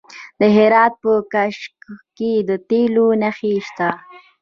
د هرات په کشک کې د تیلو نښې شته.